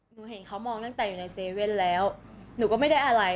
หนูเห็นเขามองตั้งแต่อยู่ในเซเว่นแล้วหนูก็ไม่ได้อะไร